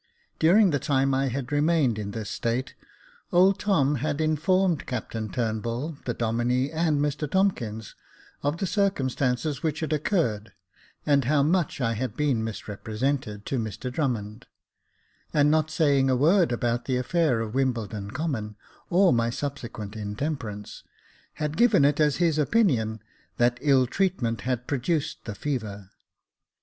During the time I had remained in this state, old Tom had informed Captain Turnbull, the Domine, and Mr Tomkins of the circumstances which had occurred, and how much I had been misrepresented to Mr Drummond ; and not saying a word about the affair of Wimbledon Common, or my subsequent intemperance, had given it as his opinion that ill treatment had produced the fever.